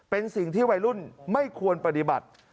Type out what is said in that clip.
เป็นสิ่งที่วัยรุ่นไม่ควรปฏิบัติ